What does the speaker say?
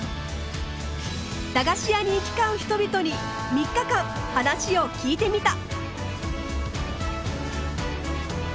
駄菓子屋に行き交う人々に３日間話を聞いてみた。